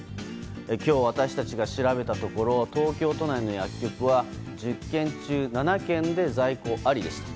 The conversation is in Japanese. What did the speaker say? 今日、私たちが調べたところ東京都内の薬局は１０軒中７軒で在庫ありでした。